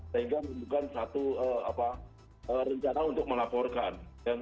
sehingga bukan satu rencana untuk melaporkan